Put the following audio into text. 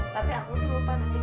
tapi aku tuh lupa nasib